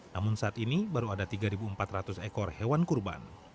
namun saat ini baru ada tiga empat ratus ekor hewan kurban